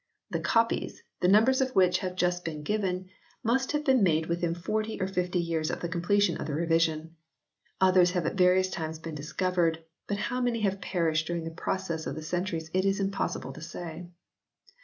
The copies, the numbers of which have just been given, must have been made within forty or fifty years of the completion of the revision ; others have at various times been, discovered, but how many have perished during the process of the centuries it is impossible to say.